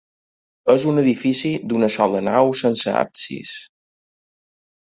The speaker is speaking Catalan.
És un edifici d'una sola nau sense absis.